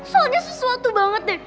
soalnya sesuatu banget deh